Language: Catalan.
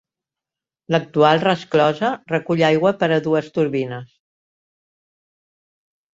L'actual resclosa recull aigua per a dues turbines.